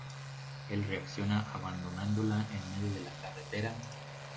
Él reacciona abandonándola en medio de la carretera.